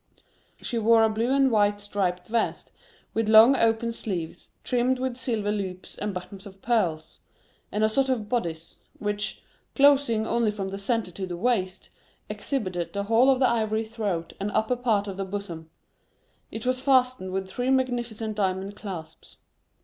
She wore a blue and white striped vest, with long open sleeves, trimmed with silver loops and buttons of pearls, and a sort of bodice, which, closing only from the centre to the waist, exhibited the whole of the ivory throat and upper part of the bosom; it was fastened with three magnificent diamond clasps.